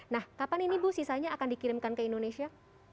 nah kapan ini bu sisanya akan dikirimkan ke indonesia